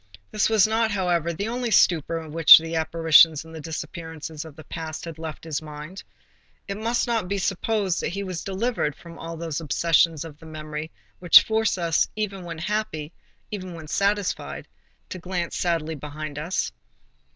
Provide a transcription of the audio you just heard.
This was not, however, the only stupor which the apparitions and the disappearances of the past had left in his mind. It must not be supposed that he was delivered from all those obsessions of the memory which force us, even when happy, even when satisfied, to glance sadly behind us.